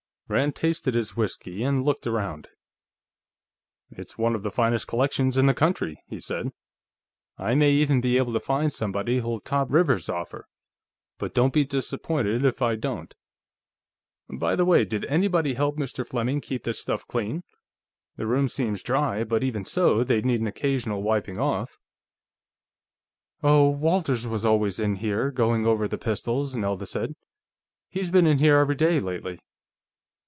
Rand tasted his whiskey and looked around. "It's one of the finest collections in the country," he said. "I may even be able to find somebody who'll top Rivers's offer, but don't be disappointed if I don't.... By the way, did anybody help Mr. Fleming keep this stuff clean? The room seems dry, but even so, they'd need an occasional wiping off." "Oh, Walters was always in here, going over the pistols," Nelda said. "He's been in here every day, lately."